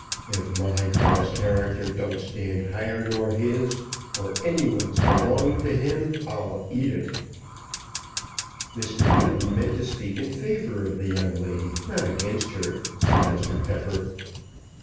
"If my girl's character don't stand higher nor his or any one's belonging to him I'll eat it!" "Mr. Newton meant to speak in favour of the young lady, not against her," said Mr. Pepper.